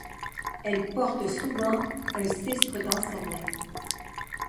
Elle porte souvent un sistre dans sa main.